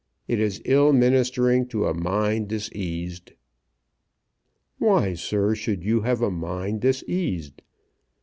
It is ill ministering to a mind diseased." "Why, sir, should you have a mind diseased?